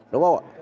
đúng không ạ